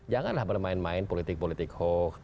janganlah bermain main politik politik hoax